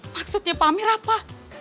maksudnya pak amir apa